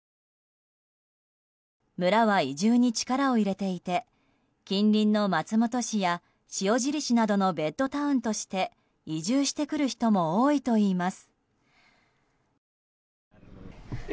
村は、移住に力を入れていて近隣の松本市や、塩尻市などのベッドタウンとして移住してくる人も多いといいます。